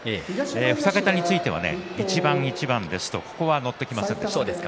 ２桁については、一番一番ですとここは乗ってきませんでした。